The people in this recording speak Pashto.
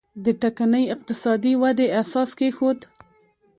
د ټکنۍ اقتصادي ودې اساس کېښود.